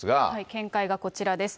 見解がこちらです。